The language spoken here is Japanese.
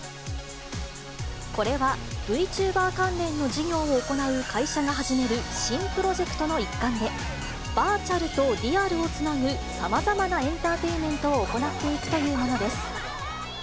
これは、Ｖチューバー関連の事業を行う会社が始める新プロジェクトの一環で、バーチャルとリアルをつなぐ、さまざまなエンターテインメントを行っていくというものです。